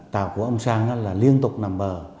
tàu của ông sang là liên tục nằm bờ